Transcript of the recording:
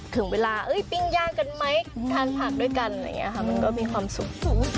ถึงเวลาอุ๊ยปริญญากันไหมทานผักด้วยกันมันก็มีความสุข